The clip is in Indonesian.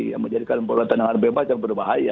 yang menjadikan bola tendangan bebas yang berbahaya